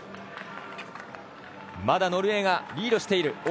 まだノルウェーがリードしている。